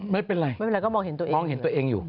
ไม่เป็นไรไม่เป็นไรก็มองเห็นตัวเองอยู่